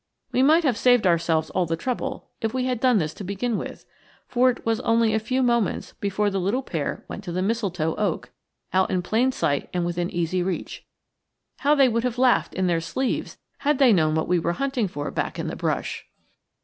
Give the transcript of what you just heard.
We might have saved ourselves all the trouble if we had done this to begin with, for it was only a few moments before the little pair went to the mistletoe oak, out in plain sight and within easy reach how they would have laughed in their sleeves had they known what we were hunting for back in the brush!